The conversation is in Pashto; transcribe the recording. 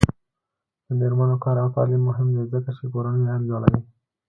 د میرمنو کار او تعلیم مهم دی ځکه چې کورنۍ عاید لوړوي.